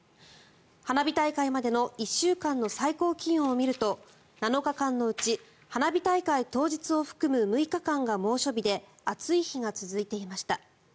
花火大会までの１週間の最高気温を見ると７日間のうち花火大会当日を含む６日間が猛暑日で暑い日が続いていました。